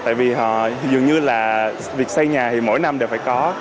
tại vì họ dường như là việc xây nhà thì mỗi năm đều phải có